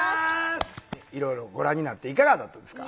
いろいろご覧になっていかがだったですか？